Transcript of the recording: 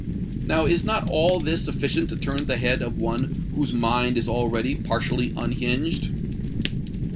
Now is not all this sufficient to turn the head of one whose mind is already partially unhinged?